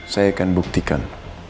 saya akan buktikan